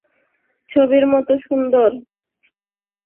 ছবির মতো সুন্দর গলফ কোর্সটির নকশা করেছেন কিংবদন্তি গলফার আর্নি এলস।